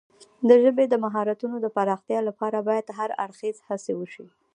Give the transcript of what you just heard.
د ژبې د مهارتونو د پراختیا لپاره باید هر اړخیزه هڅې وشي.